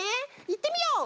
いってみよう！